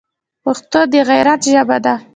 پښتو د غیرت ژبه ده